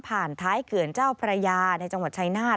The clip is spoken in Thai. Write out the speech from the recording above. ผ่านท้ายเกือนเจ้าพระยาในจังหวัดชัยนาธิ์